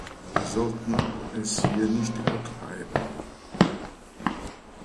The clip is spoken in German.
Wir sollten es hier nicht übertreiben.